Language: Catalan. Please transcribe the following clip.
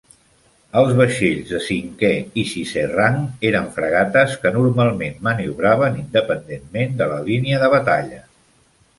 Els vaixells de cinquena i sisena rang eren fragates que normalment maniobraven independentment de la línia de batalla.